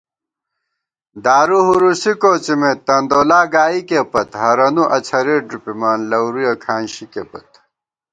دارُو ہُرُوسی کوڅِمېت، تندولا گائیکےپت * ہرَنُو اڅَھرېت ݫُپِمان لَورُیَہ کھانشِکےپت